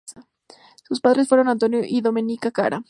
Sus padres fueron Antonio y Domenica Cara.